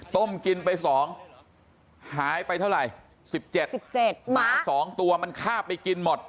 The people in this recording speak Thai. ต้มกินไป๒หายไปเท่าไหร่๑๗๑๗หมา๒ตัวมันฆ่าไปกินหมด